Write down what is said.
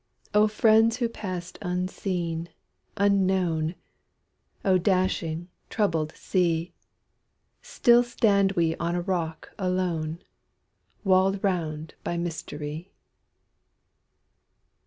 O friends who passed unseen, unknown! O dashing, troubled sea! Still stand we on a rock alone, Walled round by mystery.